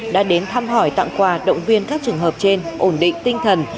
đã đến thăm hỏi tặng quà động viên các trường hợp trên ổn định tinh thần